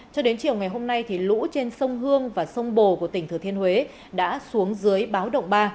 cho đến chiều ngày hôm nay lũ trên sông hương và sông bồ của tỉnh thừa thiên huế đã xuống dưới báo động ba